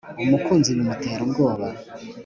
umukinzi bimutera ubwoba